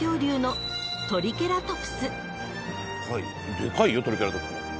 でかいよトリケラトプスも。